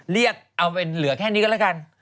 เรียกเอาเป็นเหลือแค่นี้ก็แล้วกัน